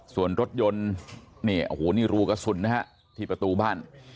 ส่วนรถยนต์นี่โอ้โหนี่รูกระสุนนะฮะที่ประตูบ้าน